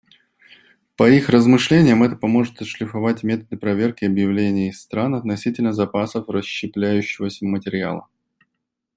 По их размышлениям, это поможет отшлифовать методы проверки объявлений стран относительно запасов расщепляющегося материала.